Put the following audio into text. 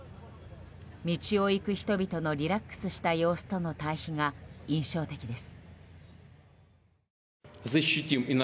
道を行く人々のリラックスした様子との対比が印象的です。